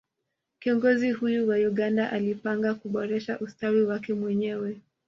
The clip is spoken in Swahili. kiongozi huyo wa Uganda alipanga kuboresha ustawi wake mwenyewe